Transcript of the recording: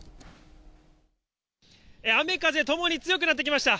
雨風ともに強くなってきました。